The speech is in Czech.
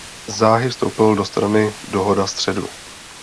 Záhy vstoupil do strany Dohoda středu.